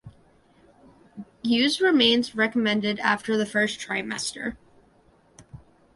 Use remains recommended after the first trimester.